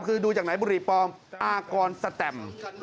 คือดูจากไหนบุหรี่ปลอมอากรสแตม